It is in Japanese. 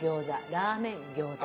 ラーメン餃子。